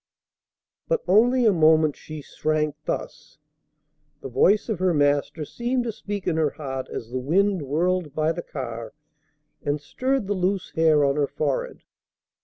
But only a moment she shrank thus. The voice of her Master seemed to speak in her heart as the wind whirled by the car and stirred the loose hair on her forehead.